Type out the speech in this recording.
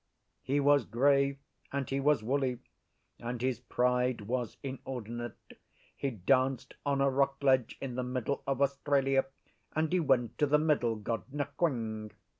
He was grey and he was woolly, and his pride was inordinate: he danced on a rock ledge in the middle of Australia, and he went to the Middle God Nquing.